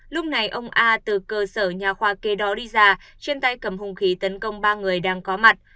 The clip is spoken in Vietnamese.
lúc này ông a từ cơ sở nhà khoa kê đó đi già trên tay cầm hùng khí tấn công ba người đang có mặt